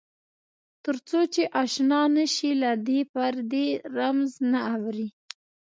تر څو چې آشنا نه شې له دې پردې رمز نه اورې.